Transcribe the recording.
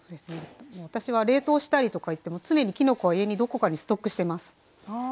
私は冷凍したりとか常にきのこは家にどこかにストックしてます。